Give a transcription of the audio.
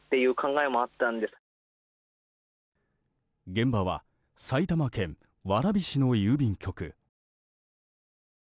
現場は埼玉県蕨市の郵便局。